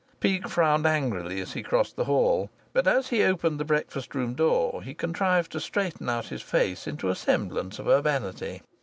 Peake frowned angrily as he crossed the hall, but as he opened the breakfast room door he contrived to straighten out his face into a semblance of urbanity.